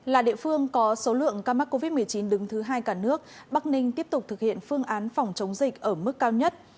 là địa phương có số lượng ca mắc covid một mươi chín đứng thứ hai cả nước bắc ninh tiếp tục thực hiện phương án phòng chống dịch ở mức cao nhất